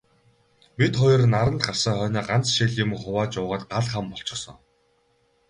Бид хоёр наранд гарсан хойноо ганц шил юм хувааж уугаад гал хам болчихсон.